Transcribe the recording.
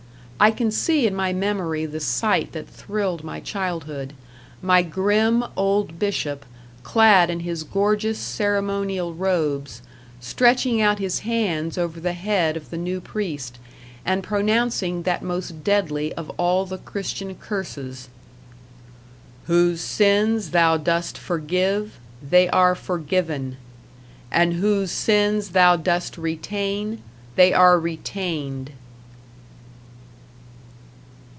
I can see in my memory the sight that thrilled my childhood my grim old Bishop, clad in his gorgeous ceremonial robes, stretching out his hands over the head of the new priest, and pronouncing that most deadly of all the Christian curses: "Whose sins thou dost forgive, they are forgiven; and whose sins thou dost retain, they are retained!"